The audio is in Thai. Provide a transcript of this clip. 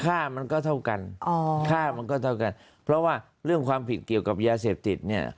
มันก็เท่ากันอ๋อค่ามันก็เท่ากันเพราะว่าเรื่องความผิดเกี่ยวกับยาเสพติดเนี่ย